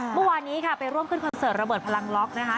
เมื่อวานนี้ค่ะไปร่วมขึ้นคอนเสิร์ตระเบิดพลังล็อกนะคะ